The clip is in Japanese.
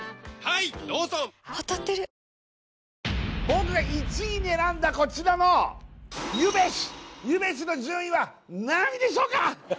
僕が１位に選んだこちらのゆべしゆべしの順位は何位でしょうか？